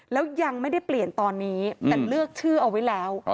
แล้วยังไม่ได้เปลี่ยนตอนนี้แต่เลือกชื่อเอาไว้แล้ว